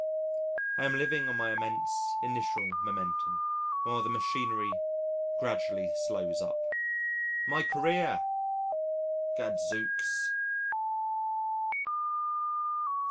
I am living on my immense initial momentum while the machinery gradually slows up. My career! Gadzooks.